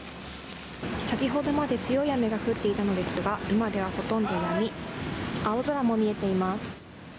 先ほどまで強い雨が降っていたのですが、今ではほとんどやみ、青空も見えています。